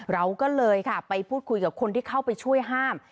เราก็เลยค่ะไปพูดคุยกับคนที่เข้าไปช่วยห้าม